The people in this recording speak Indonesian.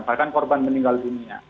bahkan korban meninggal dunia